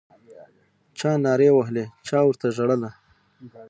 چا نارې وهلې چا ورته ژړله